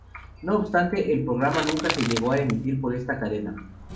No obstante, el programa nunca se llegó a emitir por esta cadena.